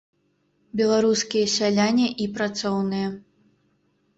Беларускія сяляне і працоўныя!